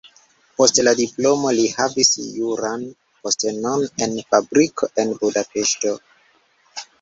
Post la diplomo li havis juran postenon en fabriko en Budapeŝto.